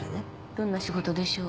どんな仕事でしょう？